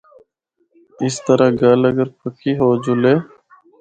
اس طرح گل اگر پکی ہو جُلے۔